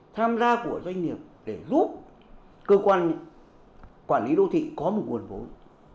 tham gia của doanh nghiệp để giúp cơ quan quản lý đô thị có một nguồn vốn